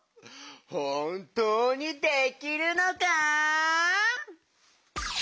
ほんとうにできるのか？